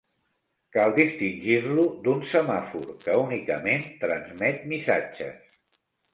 Cal distingir-lo d'un "semàfor", que únicament transmet missatges.